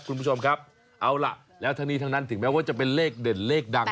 คุณผู้ชมครับเอาล่ะแล้วทั้งนี้ทั้งนั้นถึงแม้ว่าจะเป็นเลขเด่นเลขดัง